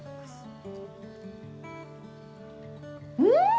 うん！